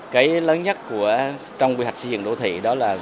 cái lớn nhất trong quy hoạch xây dựng đô thị đó là